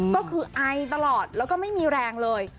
ก็คือไอตลอดแล้วก็ไม่มีแรงเลย